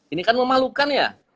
ini kan memalukan ya